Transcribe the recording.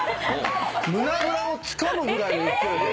胸ぐらをつかむぐらいの勢いで。